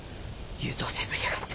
優等生ぶりやがって。